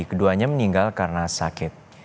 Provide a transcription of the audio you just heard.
keduanya meninggal karena sakit